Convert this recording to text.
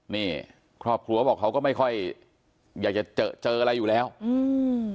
นี่ครอบครัวบอกเขาก็ไม่ค่อยอยากจะเจอเจออะไรอยู่แล้วอืม